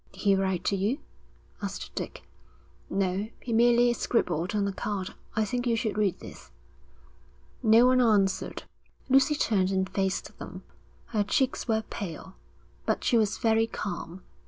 'Did he write to you?' asked Dick. 'No, he merely scribbled on a card: I think you should read this.' No one answered. Lucy turned and faced them; her cheeks were pale, but she was very calm.